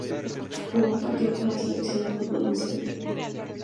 Jugó un partido con la selección de fútbol de Serbia.